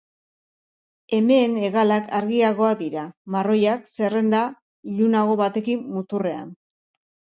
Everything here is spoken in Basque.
Emeen hegalak argiagoak dira, marroiak, zerrenda ilunago batekin muturrean.